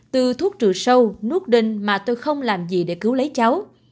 từ thuốc trừ sâu nút đinh mà tôi không làm gì để cứu lấy cháu